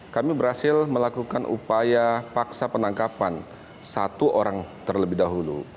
kami berhasil melakukan upaya paksa penangkapan satu orang terlebih dahulu